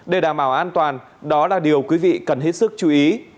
để đảm bảo an toàn đó là điều quý vị cần hết sức chú ý